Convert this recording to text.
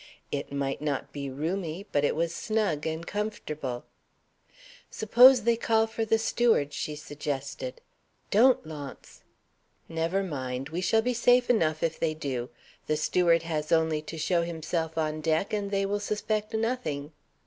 It might not be roomy, but it was snug and comfortable. "Suppose they call for the steward?" she suggested. ("Don't, Launce!") "Never mind. We shall be safe enough if they do. The steward has only to show himself on deck, and they will suspect nothing."